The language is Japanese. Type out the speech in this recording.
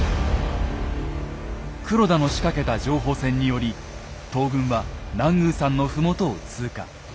黒田の仕掛けた情報戦により東軍は南宮山の麓を通過。